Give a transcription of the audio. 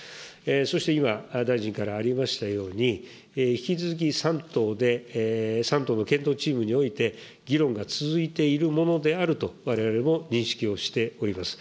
そして今、大臣からありましたように、引き続き３党で、３党の検討チームにおいて、議論が続いているものであると、われわれも認識をしております。